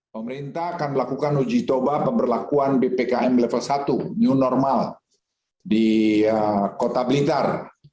pemerintah akan melakukan uji coba pemberlakuan ppkm level satu new normal di kota blitar